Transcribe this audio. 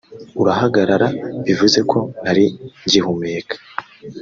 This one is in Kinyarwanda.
urahagarara bivuze ko ntari ngihumeka